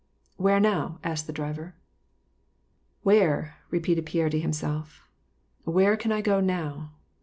" Where now ?" asked the driver. "Where ?" repeated Pierre to himself. " Where can I go now